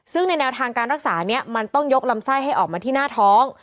ซึ่งในแนวทางการรักษานี้มันต้องยกลำไส้ให้ออกมาที่หน้าท้อง